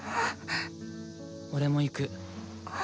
俺も行く。